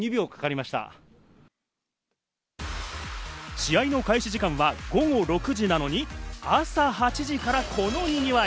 試合の開始時間は午後６時なのに、朝８時からこのにぎわい。